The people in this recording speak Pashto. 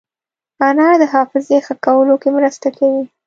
انار د حافظې ښه کولو کې مرسته کوي.